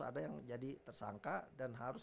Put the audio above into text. ada yang menjadi tersangka dan harus